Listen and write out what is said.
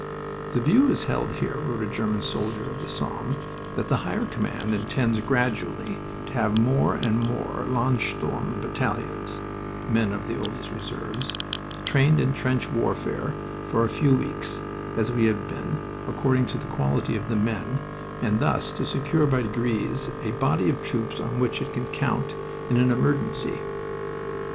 "The view is held here," wrote a German soldier of the Somme, "that the Higher Command intends gradually to have more and more Landsturm battalions (men of the oldest reserves) trained in trench warfare for a few weeks, as we have been, according to the quality of the men, and thus to secure by degrees a body of troops on which it can count in an emergency."